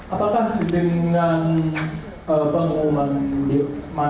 apakah dulu sempat ada informasi soal pertemuan